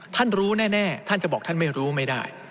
ท่านรู้แน่ท่านจะบอกท่านไม่รู้ไม่ได้